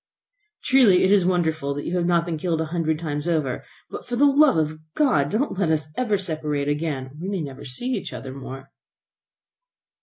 "Truly it is wonderful that you have not been killed a hundred times over. But, for the love of God, don't let us ever separate again, or we many never see each other more."